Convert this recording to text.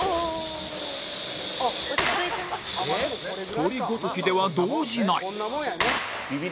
鳥ごときでは動じない